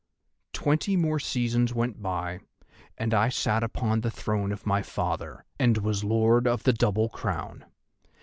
"Twenty more seasons went by, and I sat upon the throne of my father, and was Lord of the Double Crown.